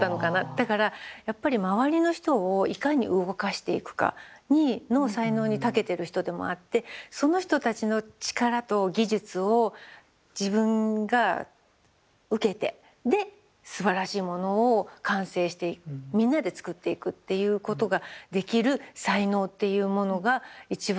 だからやっぱり周りの人をいかに動かしていくかの才能にたけてる人でもあってその人たちの力と技術を自分が受けてですばらしいものを完成してみんなでつくっていくっていうことができる才能っていうものが一番